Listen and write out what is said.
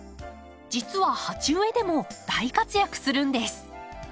実は鉢植えでも大活躍するんです。